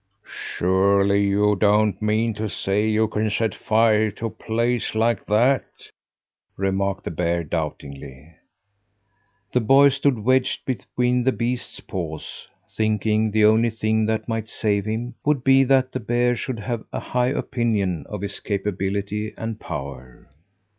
"Surely you don't mean to say you can set fire to a place like that?" remarked the bear doubtingly. The boy stood wedged between the beast's paws thinking the only thing that might save him would be that the bear should have a high opinion of his capability and power.